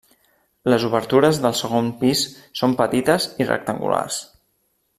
Les obertures del segon pis són petites i rectangulars.